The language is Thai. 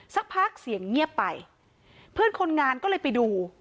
สักพักเสียงเงียบไปเพื่อนคนงานก็เลยไปดู